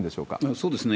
そうですね。